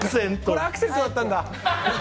これアクセントだったんだ！